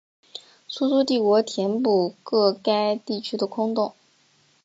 苏苏帝国填补个该地区的空洞。